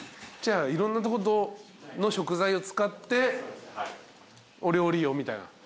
じゃあいろんなとこの食材を使ってお料理をみたいな？